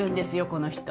この人。